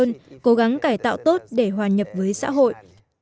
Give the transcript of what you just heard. nếu tù nhân cố gắng cải tạo tốt để hoàn nhập với xã hội